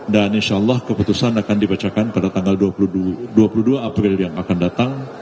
dan insyaallah keputusan akan dibacakan pada dua puluh dua april yang akan datang